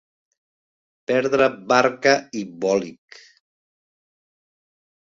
Perdre barca i bolig.